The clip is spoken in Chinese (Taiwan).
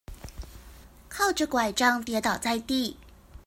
靠著柺杖跌倒在地